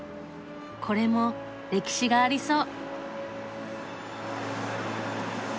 これも歴史がありそう。